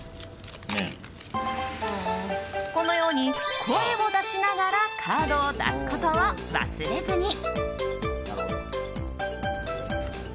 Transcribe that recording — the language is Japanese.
このように、声を出しながらカードを出すことを忘れずに。